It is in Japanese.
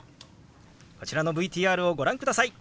こちらのＶＴＲをご覧ください。